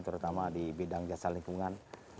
terutama di bidang jasa lingkungan